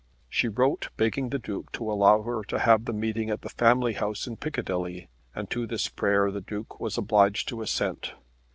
She wrote begging the Duke to allow her to have the meeting at the family house in Piccadilly, and to this prayer the Duke was obliged to assent.